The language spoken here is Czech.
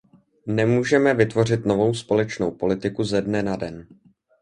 Nemůžeme vytvořit novou společnou politiku ze dne na den.